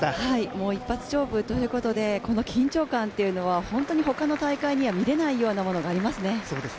もう一発勝負ということでこの緊張感っていうのは、本当にほかの大会には見れないようなものがありますね。